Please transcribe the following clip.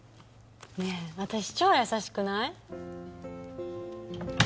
ねえ私超優しくない？